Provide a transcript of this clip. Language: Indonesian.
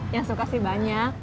yang suka sih banyak